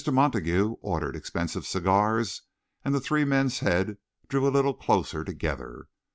Montague ordered expensive cigars and the three men's heads drew a little closer together.